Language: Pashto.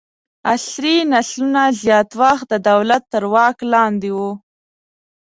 عصري نسلونه زیات وخت د دولت تر واک لاندې وو.